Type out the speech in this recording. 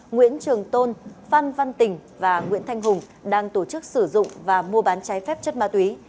nguyễn trường tôn phan văn tình và nguyễn thanh hùng đang tổ chức sử dụng và mua bán trái phép chất ma túy